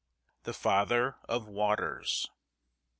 "THE FATHER OF WATERS."